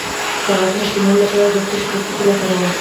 د غاښونو سپینولو لپاره د څه شي پوستکی وکاروم؟